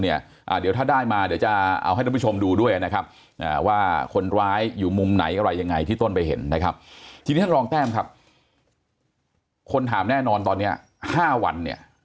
คนถามแน่นอนตอนนี้๕วัน